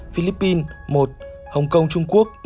philippines một hong kong trung quốc một